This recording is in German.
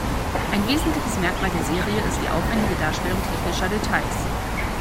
Ein wesentliches Merkmal der Serie ist die aufwändige Darstellung technischer Details.